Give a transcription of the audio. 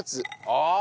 ああ！